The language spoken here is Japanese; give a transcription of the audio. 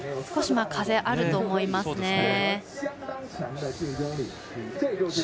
少し風があると思いますね。